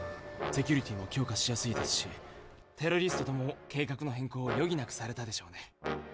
セキュリティーも強化しやすいですしテロリストどもも計画の変更をよぎなくされたでしょうね。